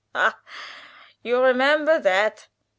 "Hah, you remember dat!"